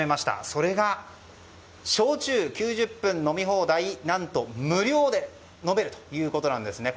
それが、焼酎９０分飲み放題何と無料で飲めるということなんですね。